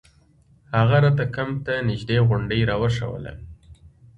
هغه راته کمپ ته نژدې غونډۍ راوښووله.